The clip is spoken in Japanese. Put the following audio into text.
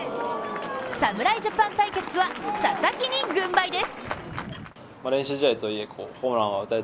侍ジャパン対決は佐々木に軍配です。